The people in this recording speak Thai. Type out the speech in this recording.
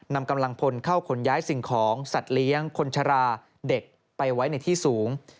นำกำลังพลเข้าขนย้ายสิ่งของสัตว์เลี้ยงคนชราเด็กไปไว้ในที่สูง